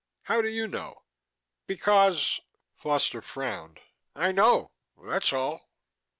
"How do you know?" "Because " Foster frowned. "I know, that's all."